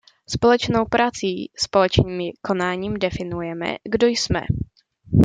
Společnou prací, společným konáním definujeme, kdo jsme.